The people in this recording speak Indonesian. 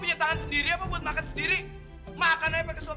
iya nih kak terry apa apaan sih orang gak ada apa apa kok